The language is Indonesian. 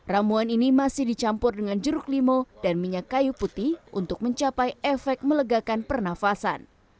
ramuan ini masih dicampur dengan jeruk limau dan minyak kayu putih untuk mencapai efek melegakan pernafasan